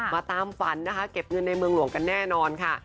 มาตามฝันนะคะเก็บเงินในเมืองหลวงกันแน่นอนค่ะ